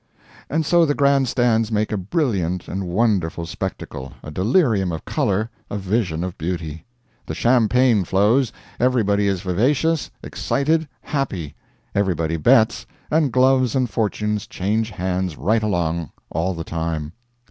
And so the grand stands make a brilliant and wonderful spectacle, a delirium of color, a vision of beauty. The champagne flows, everybody is vivacious, excited, happy; everybody bets, and gloves and fortunes change hands right along, all the time.